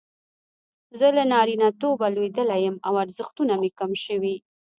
زه له نارینتوبه لویدلی یم او ارزښتونه مې کم شوي.